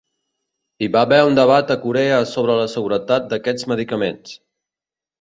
Hi va haver un debat a Corea sobre la seguretat d'aquests medicaments.